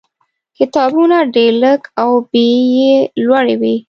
کتابونه ډېر لږ او بیې یې لوړې وې.